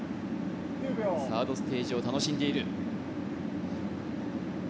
サードステージを楽しんでいる。